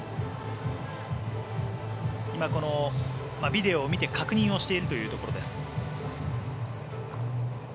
今、このビデオを見て確認をしているところです。